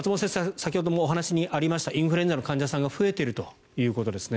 先ほどもお話にありましたインフルエンザの患者さんが増えているということですね。